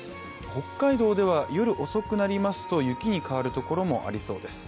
北海道では夜遅くなりますと雪に変わる所もありそうです。